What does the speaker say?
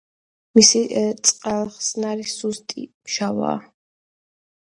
მისი წყალხსნარი სუსტი მჟავაა.